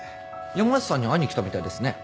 山内さんに会いに来たみたいですね。